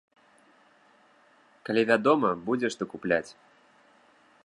Калі, вядома, будзе, што купляць.